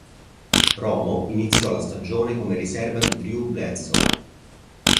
Romo iniziò la stagione come riserva di Drew Bledsoe.